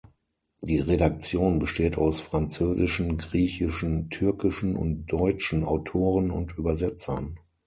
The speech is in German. Die Redaktion besteht aus französischen, griechischen, türkischen und deutschen Autoren und Übersetzern.